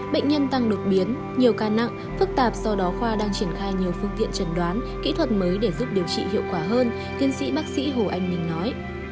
bệnh nhân tăng đột biến nhiều ca nặng phức tạp do đó khoa đang triển khai nhiều phương tiện trần đoán kỹ thuật mới để giúp điều trị hiệu quả hơn tiến sĩ bác sĩ hồ anh minh nói